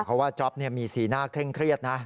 เพราะว่าจ๊อปมีสีหน้าเคร่งเครียดนะ